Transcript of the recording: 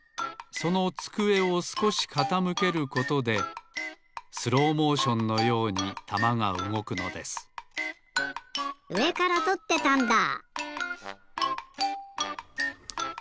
そのつくえをすこしかたむけることでスローモーションのようにたまがうごくのですうえからとってたんだ！